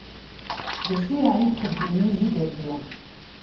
D acu yeɛni ixeddem yizi dayi!